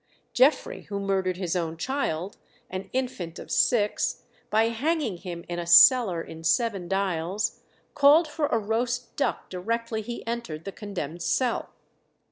Jeffrey, who murdered his own child, an infant of six, by hanging him in a cellar in Seven Dials, called for a roast duck directly he entered the condemned cell.